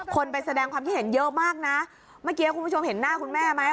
ไปแสดงความคิดเห็นเยอะมากนะเมื่อกี้คุณผู้ชมเห็นหน้าคุณแม่ไหม